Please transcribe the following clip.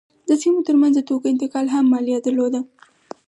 د سیمو ترمنځ د توکو انتقال هم مالیه درلوده.